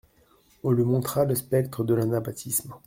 On lui montra le spectre de l'anabaptisme.